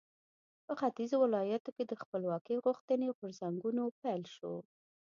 په ختیځو ولایاتو کې د خپلواکۍ غوښتنې غورځنګونو پیل شو.